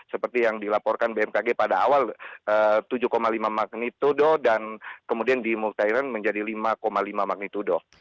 seperti yang dilaporkan bmkg pada awal tujuh lima magnitudo dan kemudian di multairan menjadi lima lima magnitudo